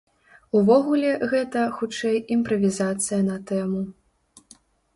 Увогуле, гэта, хутчэй, імправізацыя на тэму.